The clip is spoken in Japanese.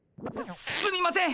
すすみません！